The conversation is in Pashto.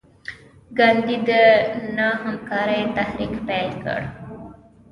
ګاندي د نه همکارۍ تحریک پیل کړ.